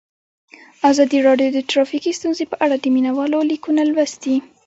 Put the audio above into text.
ازادي راډیو د ټرافیکي ستونزې په اړه د مینه والو لیکونه لوستي.